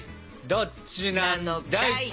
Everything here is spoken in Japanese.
どっちなんだい。